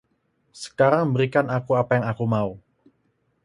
Sekarang berikan aku apa yang aku mau.